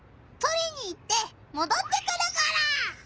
とりに行ってもどってくるから！